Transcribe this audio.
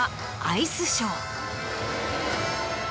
アイスショー。